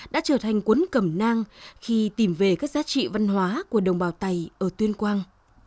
đã trở thành cuốn cẩm nang khi tìm về các giá trị văn hóa của đồng bào tày ở tuyên quang